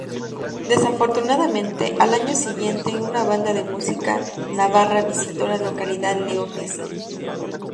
Desafortunadamente, al año siguiente, una banda de música navarra visitó la localidad leonesa.